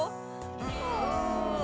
うん。